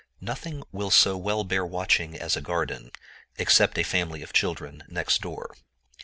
Nothing will so well bear watching as a garden, except a family of children next door.